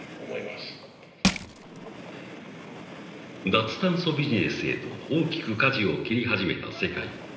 脱炭素ビジネスへと大きくかじを切り始めた世界。